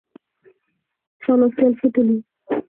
চলো সেলফি তুলি!